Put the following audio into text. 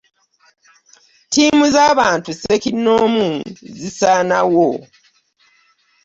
Ttiimu z'abantu ssekinnoomu zisaanawo.